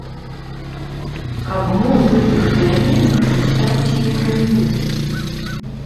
Каб мы ў гэтых пераменах не страцілі краіну.